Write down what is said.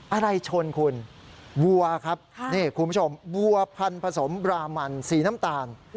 อะไรชนคุณวัวครับนี่คุณผู้ชมวัวพันธสมบรามันสีน้ำตาล